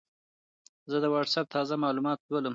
زه د وټساپ تازه معلومات ولولم.